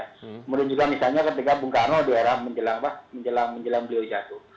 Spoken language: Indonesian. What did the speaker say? kemudian juga misalnya ketika bung karno di era menjelang beliau jatuh